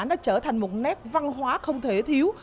nó trở thành một nét văn hóa không thể thiếu